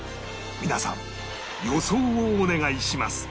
皆さん予想をお願いします